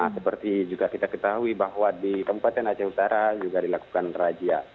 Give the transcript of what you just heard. seperti juga kita ketahui bahwa di kabupaten aceh utara juga dilakukan rajia